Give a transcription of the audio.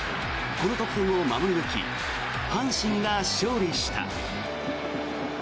この得点を守り抜き阪神が勝利した。